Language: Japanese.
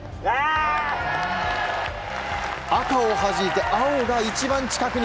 赤をはじいて、青が一番近くに。